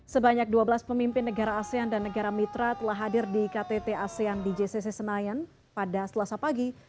sebanyak dua belas pemimpin negara asean dan negara mitra telah hadir di ktt asean di jcc senayan pada selasa pagi